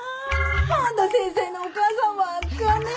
半田先生のお母さんわっかねぇ。